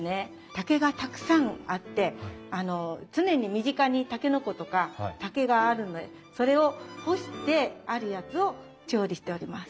竹がたくさんあって常に身近にタケノコとか竹があるんでそれを干してあるやつを調理しております。